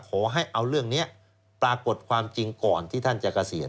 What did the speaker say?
ขอให้เอาเรื่องนี้ปรากฏความจริงก่อนที่ท่านจะเกษียณ